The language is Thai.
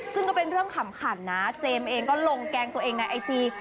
ซึ่งก็เป็นเรื่องขำขันนะเจมส์เองก็ลงแกล้งตัวเองในไอจี